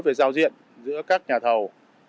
về giao diện giữa các nhà thầu